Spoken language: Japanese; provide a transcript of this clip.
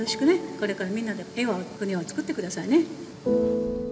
これからみんなで平和な国をつくってくださいね。